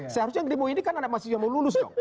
seharusnya demo ini kan anak masih yang mau lulus